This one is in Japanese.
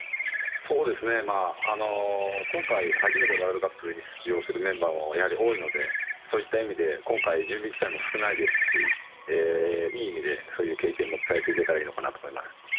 今回、初めてワールドカップに出場するメンバーもやはり多いのでそういった意味で今回、準備期間も少ないですしいい意味でそういう経験も伝えていけたらいいなと思います。